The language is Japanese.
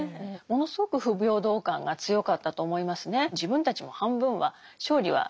ものすごく不平等感が強かったと思いますね。